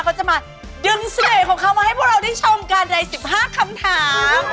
เขาจะมาดึงเสน่ห์ของเขามาให้พวกเราได้ชมกันใน๑๕คำถาม